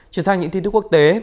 chuyển sang những tin tức quốc tế